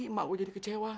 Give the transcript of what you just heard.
bapak saya jadi kecewa